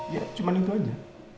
ya cuman itu aja